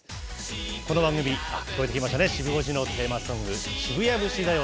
この番組、聞こえてきましたね、シブ５時のテーマソング、渋谷節だよ